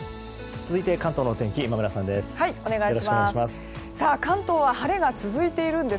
続いて関東のお天気今村さんです。